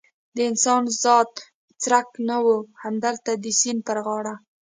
د انسان ذات څرک نه و، همدلته د سیند پر غاړه.